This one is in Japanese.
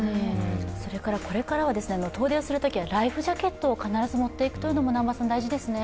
それからこれからは遠出するときはライフジャケットを必ず持っていくのも大事ですね。